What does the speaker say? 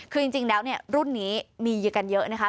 คือจริงแล้วรุ่นนี้มีอยู่กันเยอะนะคะ